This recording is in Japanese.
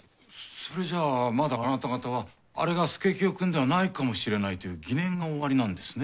それじゃあまだあなた方はあれが佐清くんではないかもしれないという疑念がおありなんですね？